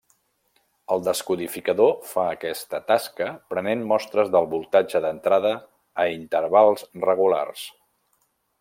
El descodificador fa aquesta tasca prenent mostres del voltatge d'entrada a intervals regulars.